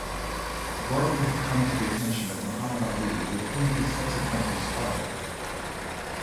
Gorman had come to the attention of Muhammad Ali, with whom he subsequently sparred.